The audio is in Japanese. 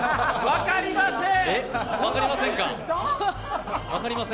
分かりません！